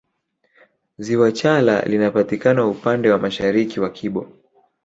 Ziwa chala linapatikana upande wa mashariki wa kibo